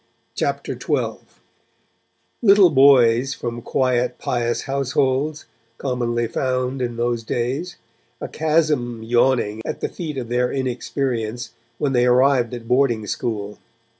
CHAPTER XII LITTLE boys from quiet, pious households, commonly found, in those days, a chasm yawning at the feet of their inexperience when they arrived at Boarding school.